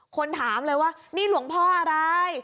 คนถามเลยว่านี่หลวงพ่ออะไร